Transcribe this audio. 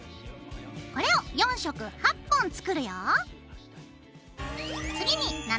これを４色８本作るよ。